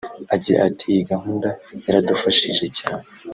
Agira ati “Iyi gahunda yaradufashije cyane